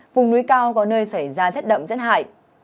vùng núi cao có nơi xảy ra rét đậm rét hại